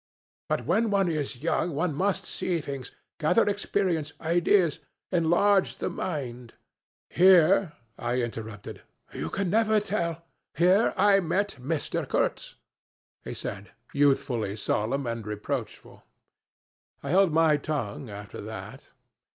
'But when one is young one must see things, gather experience, ideas; enlarge the mind.' 'Here!' I interrupted. 'You can never tell! Here I have met Mr. Kurtz,' he said, youthfully solemn and reproachful. I held my tongue after that.